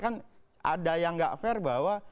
kan ada yang nggak fair bahwa